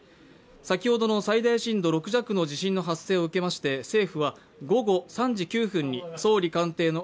先ほどの最大震度６弱の地震の発生を受けまして政府は午後３時９分に総理官邸の